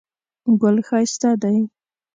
ګل ښایسته دی.